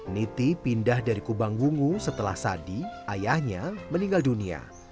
niti pindah dari kubang wungu setelah sadi ayahnya meninggal dunia